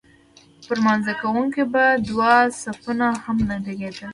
خو پر لمانځه کوونکو به دوه صفونه هم نه ډکېدل.